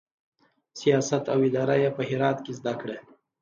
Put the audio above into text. سیاست او اداره یې په هرات کې زده کړه.